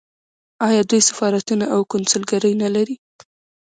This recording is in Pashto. آیا دوی سفارتونه او کونسلګرۍ نلري؟